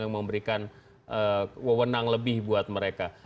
yang memberikan wewenang lebih buat mereka